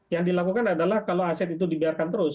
yang dilakukan adalah kalau aset itu dibiarkan terus